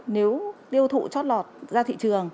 nếu lưu thụ chót lọt ra thị trường